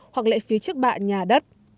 hoặc lệ phí trước bạ nhà đất